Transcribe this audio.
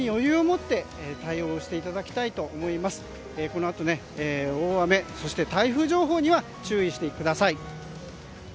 このあと大雨そして台風情報には注意してください。